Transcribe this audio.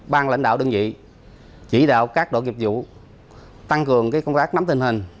ban lãnh đạo đơn vị chỉ đạo các đội nghiệp vụ tăng cường công tác nắm tình hình